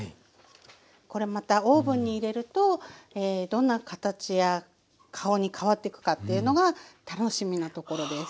これまたオーブンに入れるとどんな形や顔に変わってくかっていうのが楽しみなところです。